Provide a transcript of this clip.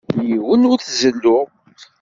Yiwen ur t-zelluɣ.